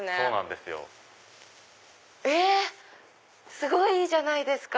すごいいいじゃないですか。